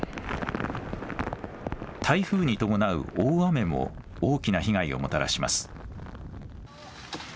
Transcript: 台風に伴う大雨も大きな被害をもたらします。